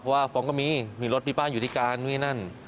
เพราะว่าฟ้องก็มีมีรถมีบ้านอยู่ที่การมีอะไรอย่างนั้น